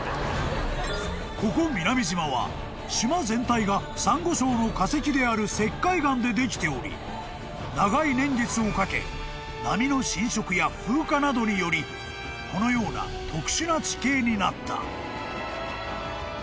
［ここ南島は島全体がサンゴ礁の化石である石灰岩でできており長い年月をかけ波の侵食や風化などによりこのような特殊な地形になった］